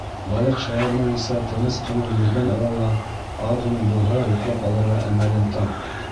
Балыҡ шаярмайынса тыныс ҡына йөҙгән арала аҙ ғына булһа ла йоҡлап алырға әмәлен тап.